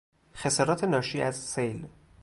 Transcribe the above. خسارات ناشی از سیل